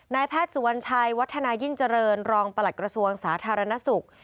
นายแพทย์สุวรรณชัยวัฒนายิ่งเจริญรองประหลัดกระทรวงสาธารณสุข